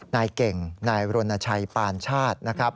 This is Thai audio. นายเก่งนายรนชัยปานชาติ